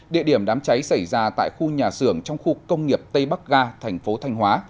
địa điểm đám cháy xảy ra tại khu nhà xưởng trong khu công nghiệp tây bắc ga thành phố thanh hóa